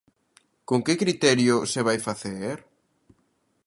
¿Con que criterio se vai facer?